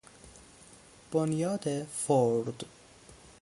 بنیاد فورد